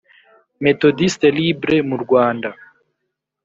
Methodiste libre mu rwanda